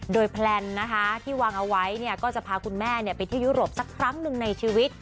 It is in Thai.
โดยแพลนนะคะที่วางเอาไว้ก็จะพาคุณแม่ไปเที่ยวยุโรปสักครั้งหนึ่งในชีวิต